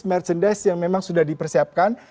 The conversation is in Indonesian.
merchandise yang memang sudah dipersiapkan